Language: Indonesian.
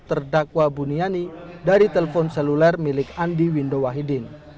terdakwa buniani dari telpon seluler milik andi window wahidin